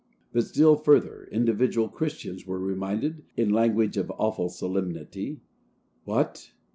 But still further, individual Christians were reminded, in language of awful solemnity, "What!